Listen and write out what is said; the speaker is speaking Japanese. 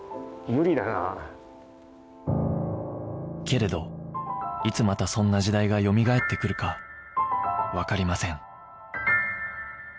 けれどいつまたそんな時代がよみがえってくるかわかりません